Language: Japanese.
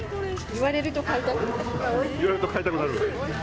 言われると買いたくなる？